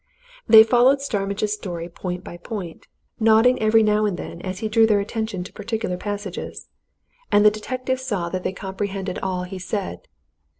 They followed Starmidge's story point by point, nodding every now and then as he drew their attention to particular passages, and the detective saw that they comprehended all he said.